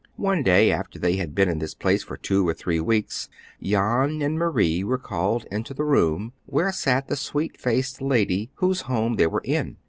One day, after they had been in this place for two or three weeks, Jan and Marie were called into the room where sat the sweet faced lady whose home they were in.